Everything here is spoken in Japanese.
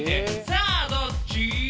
「さあどっち？」